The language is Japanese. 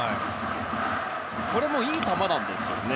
これもいい球なんですよね。